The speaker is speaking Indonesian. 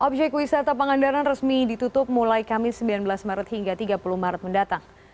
objek wisata pangandaran resmi ditutup mulai kamis sembilan belas maret hingga tiga puluh maret mendatang